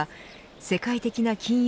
世界的な金融